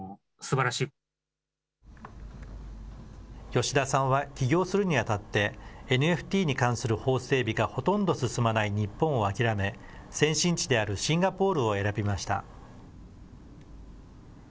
吉田さんは起業するにあたって、ＮＦＴに関する法整備がほとんど進まない日本を諦め、先進地であるシンガポールを選びました。